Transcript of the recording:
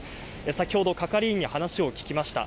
先ほど係員に話を聞きました。